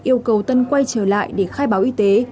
yêu cầu tân quay trở lại để khai báo y tế